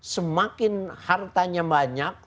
semakin hartanya banyak